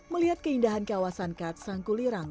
melihat keindahan kawasan kat sangkulirang